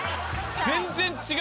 全然違うわ。